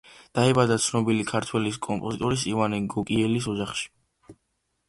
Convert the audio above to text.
დაიბადა ცნობილი ქართველი კომპოზიტორის, ივანე გოკიელის ოჯახში.